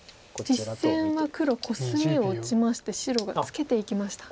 実戦は黒コスミを打ちまして白がツケていきました。